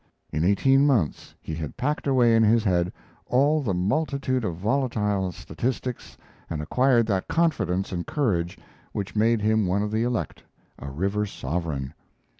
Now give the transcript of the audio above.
In eighteen months he had packed away in his head all the multitude of volatile statistics and acquired that confidence and courage which made him one of the elect, a river sovereign.